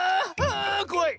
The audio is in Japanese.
あこわい！